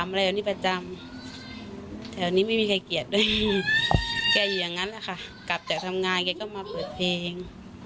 กับจากทำงานเขาก็มาเปิดเพลง